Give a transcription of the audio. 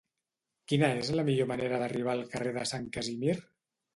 Quina és la millor manera d'arribar al carrer de Sant Casimir?